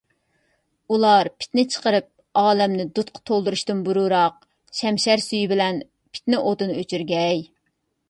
ئۇلار پىتنە چىقىرىپ ئالەمنى دۇتقا تولدۇرۇشتىن بۇرۇنراق شەمشەر سۈيى بىلەن پىتنە ئوتىنى ئۆچۈرگەي.